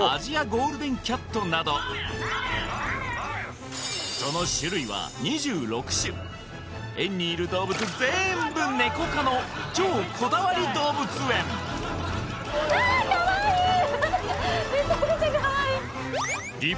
ゴールデンキャットなどその種類は２６種園にいる動物ぜんぶネコ科の超こだわり動物園ああかわいい！